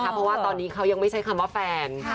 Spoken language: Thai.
เพราะว่าตอนนี้เขายังไม่ใช่คำว่าแฟน